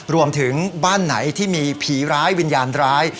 รวมถึงบ้านไหนที่มีผีร้ายวิญญาณร้าย